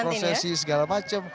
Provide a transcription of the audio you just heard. prosesi segala macam